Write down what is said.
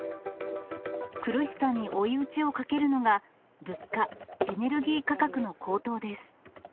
苦しさに追い打ちをかけるのが、物価、エネルギー価格の高騰です。